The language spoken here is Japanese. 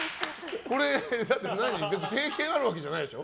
これ、別に経験があるわけじゃないでしょ。